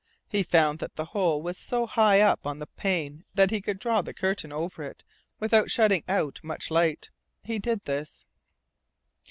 He found that the hole was so high up on the pane that he could draw the curtain over it without shutting out much light. He did this.